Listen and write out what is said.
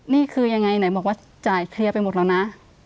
นี่คือยังไงไหนบอกว่าจ่ายเคลียร์ไปหมดแล้วนะ